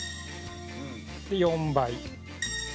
４倍。